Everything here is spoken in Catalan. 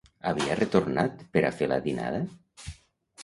Havia retornat per a fer la dinada?